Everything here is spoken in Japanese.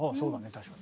確かに。